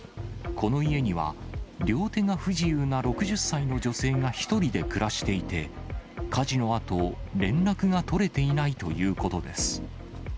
この家には、両手が不自由な６０歳の女性が１人で暮らしていて、火事のあと、連絡が取れていないということです。